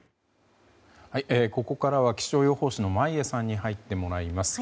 ここからは気象予報士の眞家さんに入ってもらいます。